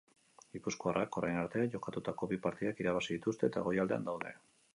Gipuzkoarrak orain arte jokatutako bi partidak irabazi dituzte eta goialdean daude.